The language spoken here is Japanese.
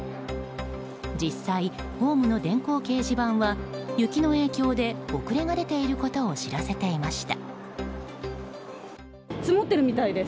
実際、ホームの電光掲示板は雪の影響で遅れが出ていることを知らせていました。